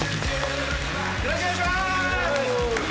よろしくお願いします！